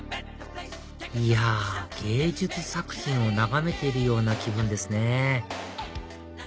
いや芸術作品を眺めているような気分ですね